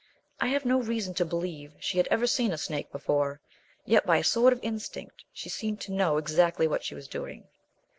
I have no reason to believe she had ever seen a snake before, yet by a sort of instinct she seemed to know exactly what she was doing.